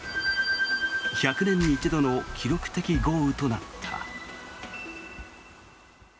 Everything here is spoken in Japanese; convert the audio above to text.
１００年に一度の記録的豪雨となった。